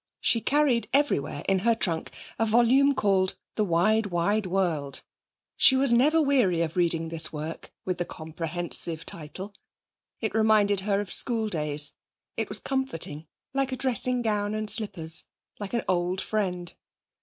She carried everywhere in her trunk a volume called The Wide, Wide World. She was never weary of reading this work with the comprehensive title; it reminded her of schooldays. It was comforting, like a dressing gown and slippers, like an old friend.